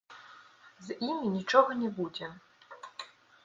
З імі нічога не будзе.